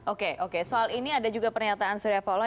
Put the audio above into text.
oke soal ini ada juga pernyataan suryapalo